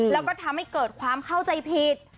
แล้วก็ทำให้เกิดความเข้าใจผิด